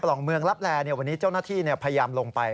ลองเมืองลับแลวันนี้เจ้าหน้าที่พยายามลงไป